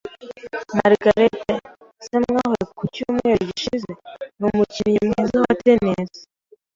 Margaret, se mwahuye ku cyumweru gishize, numukinnyi mwiza wa tennis